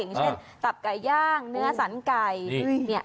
อย่างเช่นตับไก่ย่างเนื้อสันไก่